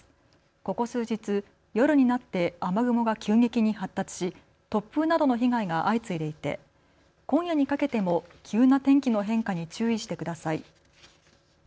ここ数日、夜になって雨雲が急激に発達し突風などの被害が相次いでいて今夜にかけても急な天気の変化に注意してください。